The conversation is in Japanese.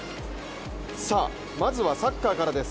まずはサッカーからです。